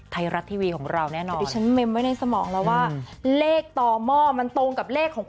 ไทรัตทีวีของเรานักเนี่ยโน่น